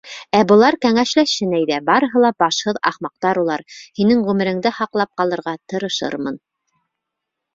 Ә былар кәңәшләшһен әйҙә, барыһы ла башһыҙ ахмаҡтар улар. һинең ғүмереңде һаҡлап ҡалырға тырышырмын.